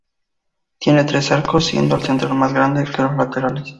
Tiene tres arcos, siendo el central más grande que los laterales.